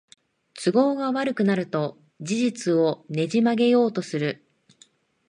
都合が悪くなると事実をねじ曲げようとする